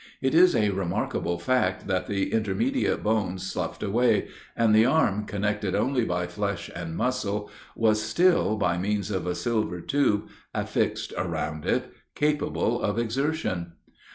It is a remarkable fact that the intermediate bones sloughed away, and the arm, connected only by flesh and muscle, was still, by means of a silver tube affixed around it, capable of exertion.